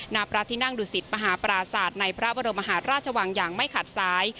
ณพระที่นั่งดุสิตมหาปราศาสตร์ในพระบรมหาราชวังอย่างไม่ขาดซ้าย